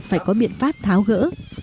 phải có biện pháp tháo gỡ